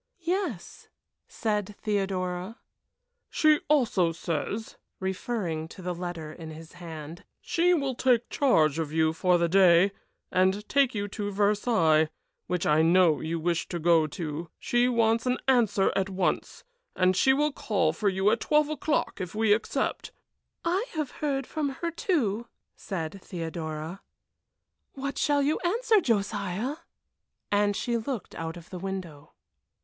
"Yes," said Theodora. "She also says," referring to the letter in his hand, "she will take charge of you for the day, and take you to Versailles, which I know you wish to go to. She wants an answer at once, as she will call for you at twelve o'clock if we accept." "I have heard from her, too," said Theodora. "What shall you answer, Josiah?" and she looked out of the window.